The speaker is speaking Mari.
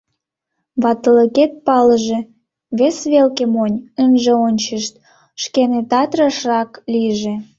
Ватылыкет палыже, вес велке монь ынже ончышт, шканетат рашрак лийже.